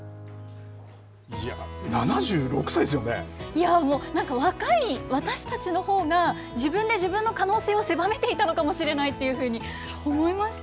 いやー、もうなんか若い私たちのほうが、自分で自分の可能性を狭めていたのかもしれないっていうふうに思いました。